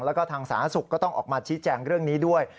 แล้วก็ทางสาธารณสุขก็ต้องออกมาชี้แจงเรื่องนี้ด้วย